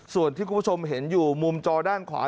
ส่วนที่คุณผู้ชมเห็นอยู่มุมจอด้านขวา